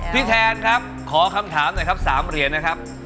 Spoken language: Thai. แทนครับขอคำถามหน่อยครับ๓เหรียญนะครับ